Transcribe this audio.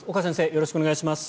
よろしくお願いします。